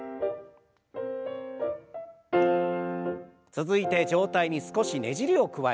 続いて上体に少しねじりを加える運動。